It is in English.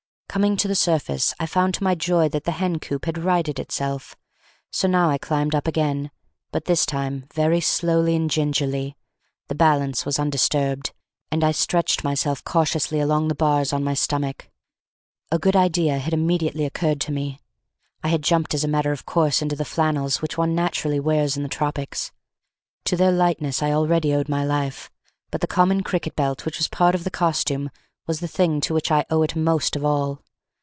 Coming to the surface, I found to my joy that the hen coop had righted itself; so now I climbed up again, but this time very slowly and gingerly; the balance was undisturbed, and I stretched myself cautiously along the bars on my stomach. A good idea immediately occurred to me. I had jumped as a matter of course into the flannels which one naturally wears in the tropics. To their lightness I already owed my life, but the common cricket belt which was part of the costume was the thing to which I owe it most of all.